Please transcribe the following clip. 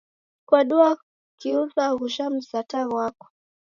Kwadua kiuza ghuja mzata ghwako?